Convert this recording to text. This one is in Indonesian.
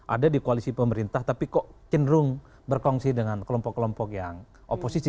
ada di koalisi pemerintah tapi kok cenderung berkongsi dengan kelompok kelompok yang oposisi